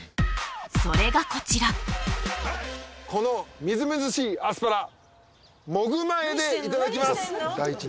それがこちらこのみずみずしいアスパラもぐ前でいただきます